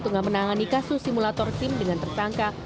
tengah menangani kasus simulator sim dengan tersangka